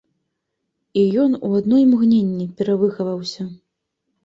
І ён у адно імгненне перавыхаваўся.